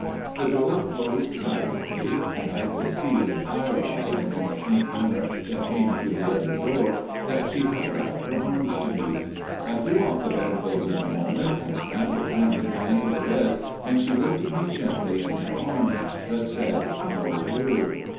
The door closed silently, and I could see in the firelight, and in the faint glimmer that came through the other door, that she held out her arms to me. I threw off the bedclothes in a moment, and scrambled down to the end of the bed, and she lifted me gently in her arms, but said no word.